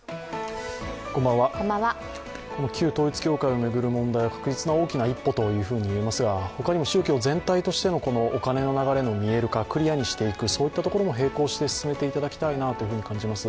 旧統一教会を巡る問題は確実な大きな一歩と言えますがほかにも宗教全体としてのお金の流れの見える化、クリアにしていくそういったところも並行して進めていっていただきたいなと思います。